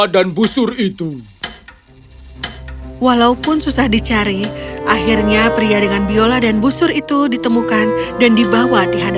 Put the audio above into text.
kau menyatakan aku